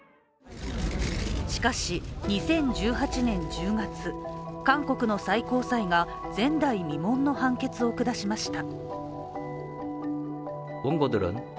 しかし２０１８年１０月、韓国の最高裁が前代未聞の判決を下しました。